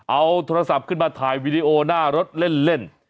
เอาโทรศัพท์ขึ้นมาถ่ายวีดีโอหน้ารถเล่น